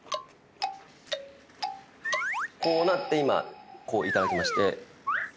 こうなって今こういただきまして。